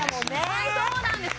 はいそうなんです